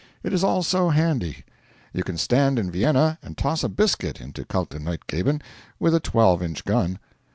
It is all so handy. You can stand in Vienna and toss a biscuit into Kaltenleutgeben, with a twelve inch gun.